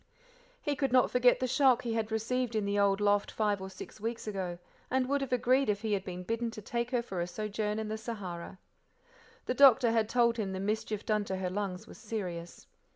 He could not forget the shock he had received in the old loft five or six weeks ago, and would have agreed if he had been bidden to take her for a sojourn in the Sahara. The doctor had told him the mischief done to her lungs was serious.